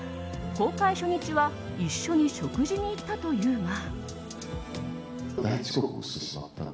公開初日は一緒に食事に行ったというが。